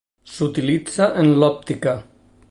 S'utilitza en l'òptica.